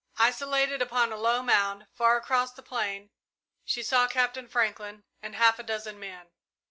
Isolated upon a low mound, far across the plain, she saw Captain Franklin and half a dozen men.